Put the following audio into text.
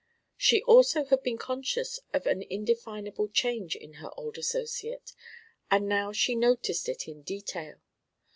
She also had been conscious of an indefinable change in her old associate, and now she noticed it in detail.